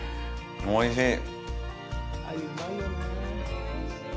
おいしい。